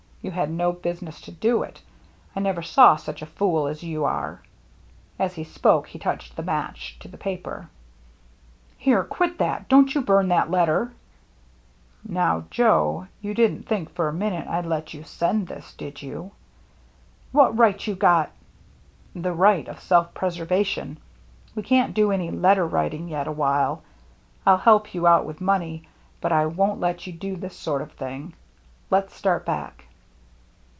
You had no business to do it. I never saw such a fool as you are." As he spoke, he touched the match to the paper. " Here, quit that ! Don't you burn that letter !"" Now, Joe, you didn't think for a minute I'd let you send this, did you ?"" What right you got —"" The right of self preservation. We can't do any letter writing yet awhile. I'll help you out with money, but I won't let you do this sort of thing. Let's start back."